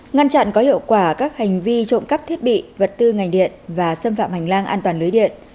ngăn chặn có hiệu quả các hành vi trộm cắp thiết bị vật tư ngành điện và xâm phạm hành lang an toàn lưới điện